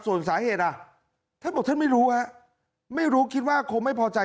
ส่วนสาเหตุอ่ะท่านบอกท่านไม่รู้ฮะไม่รู้คิดว่าคงไม่พอใจ